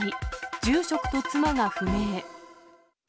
住職と妻が不明。